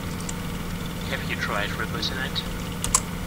Have you tried rebooting it?